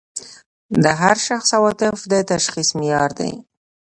د هر شخص عواطف د تشخیص معیار دي.